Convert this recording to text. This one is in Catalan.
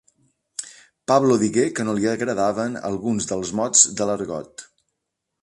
Pablo digué que no li "agradaven" alguns dels mots de l'argot.